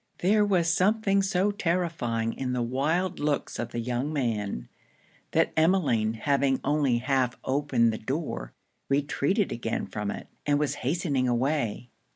There was something so terrifying in the wild looks of the young man, that Emmeline having only half opened the door, retreated again from it, and was hastening away.